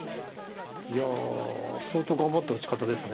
いや相当頑張った打ち方です。